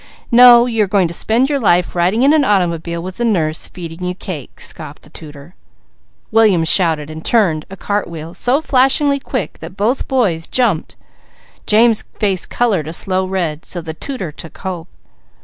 "No, you are going to spend your life riding in an automobile with a nurse, feeding you cake!" scoffed the tutor. William shouted and turned a cart wheel so flashingly quick that both boys jumped, James' face coloured a slow red, so the tutor took hope.